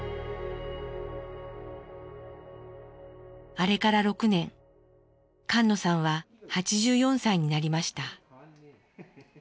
あれから６年菅野さんは８４歳になりました。